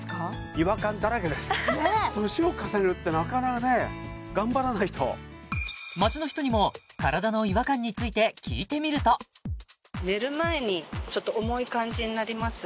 違和感だらけですねえ年を重ねるってなかなかね頑張らないと街の人にも体の違和感について聞いてみるとになります